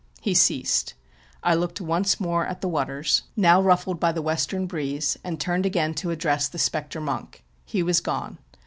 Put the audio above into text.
He ceased. I looked once more at the waters, now THE DUBLIN PENNY JOURNAL. ruffled. bf the, western breeze, and turned again to address the spectre monk : he was gone.